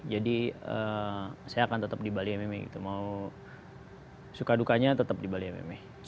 saya akan tetap di bali mma gitu mau suka dukanya tetap di bali mma